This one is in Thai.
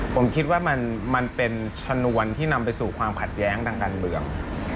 ผมคิดว่ามันเป็นชนวนที่นำไปสู่ความขัดแย้งทางการเมือง